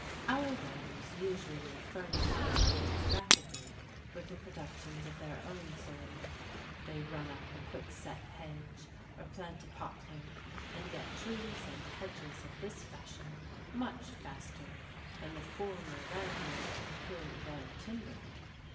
Our writers usually furnish their pages rapidly with the productions of their own soil: they run up a quickset hedge, or plant a poplar, and get trees and hedges of this fashion much faster than the former landlords procured their timber.